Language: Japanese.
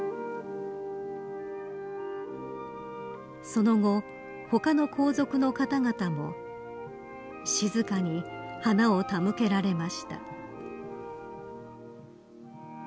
その後、他の皇族の方々も静かに花を手向けられました。